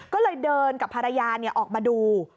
ก็เลยเดินกับภรรยาออกมาดู